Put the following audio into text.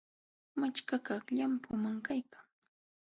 Machkakaq llampullam kaykan.